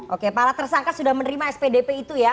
oke para tersangka sudah menerima spdp itu ya